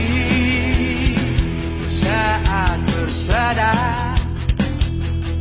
di saat bersadar